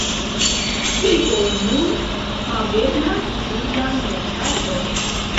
Kio nun haveblas sur la merkato?